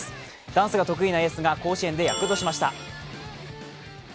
ダンスが得意なエースが甲子園で躍動しました。